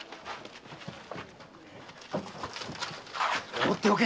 放っておけ！